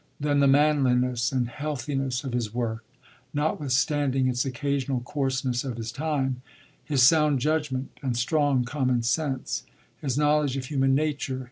Then the manliness and healthiness of his work— notwithstanding its occasional coarseness of his time— his sound judgment and strong common sense. His knowledge of human nature.